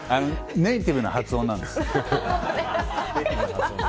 ネイティブの発音なんです。